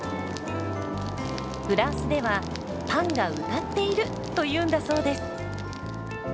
フランスでは「パンが歌っている！」というんだそうです。